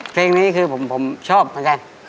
เพลงนี้คือผมชอบนะครับ